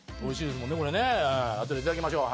後でいただきましょう。